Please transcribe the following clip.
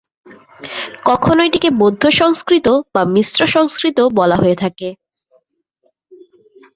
কখনও এটিকে বৌদ্ধ সংস্কৃত বা মিশ্র সংস্কৃত বলা হয়ে থাকে।